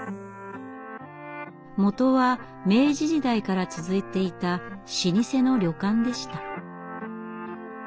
元は明治時代から続いていた老舗の旅館でした。